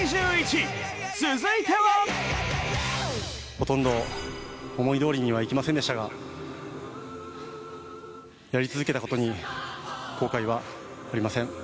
ほとんど思いどおりにはいきませんでしたがやり続けたことに後悔はありません。